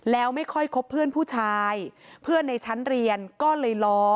แล้วไม่ค่อยคบเพื่อนผู้ชายเพื่อนในชั้นเรียนก็เลยล้อ